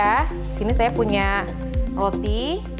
disini saya punya roti